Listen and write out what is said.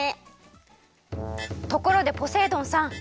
ところでポセイ丼さん。